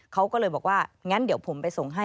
เขาก็เลยบอกว่างั้นเดี๋ยวผมไปส่งให้